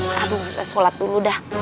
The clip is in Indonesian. aduh bisa sholat dulu dah